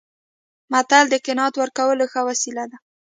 متل د قناعت ورکولو ښه وسیله ده